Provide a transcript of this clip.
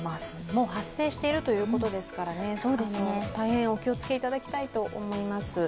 もう発生しているということですから大変お気をつけいただきたいと思います。